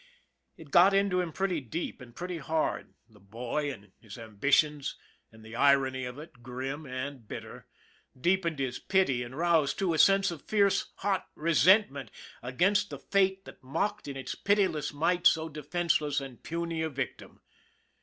It got into him pretty deep and pretty hard, the boy and his ambitions ; and the irony of it, grim and bitter, deepened his pity and roused, too, a sense of fierce, hot resentment against the fate that mocked in its pitiless might so defenseless and puny a victim.